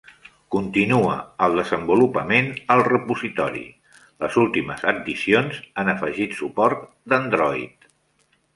Continua el desenvolupament al repositori, les últimes addicions han afegit suport d'Android.